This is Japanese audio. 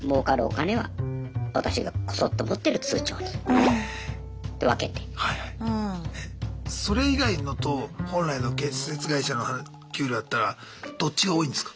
えそれ以外のと本来の建設会社の給料だったらどっちが多いんですか？